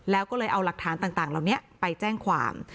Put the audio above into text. แล้วก็เลยเอาหลักฐานต่างเหล่านี้ไปแจ้งความ